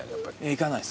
行かないです。